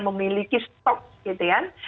memiliki stok gitu ya